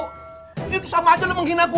itu sama aja lo menghina gue